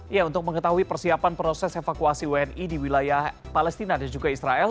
ya untuk mengetahui persiapan proses evakuasi wni di wilayah palestina dan juga israel